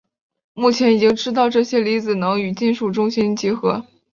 目前已经知道这些离子能与金属中心结合。